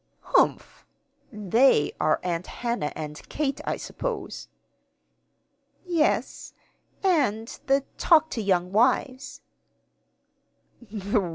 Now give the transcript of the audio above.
"Humph! 'They' are Aunt Hannah and Kate, I suppose." "Yes and the 'Talk to Young Wives.'"